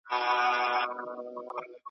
په دوا چي یې رڼا سوې دواړي سترګي ,